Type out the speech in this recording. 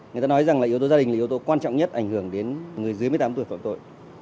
người ta nói rằng là yếu tố gia đình là yếu tố quan trọng nhất ảnh hưởng đến người dưới một mươi tám tuổi phạm tội